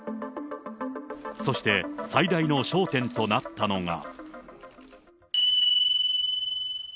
そして最大の焦点となったのが。